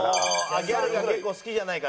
ギャルが結構好きじゃないかって？